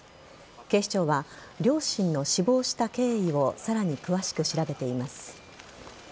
警視庁は両親の死亡した経緯をさらに詳しく調べています。